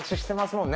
もんね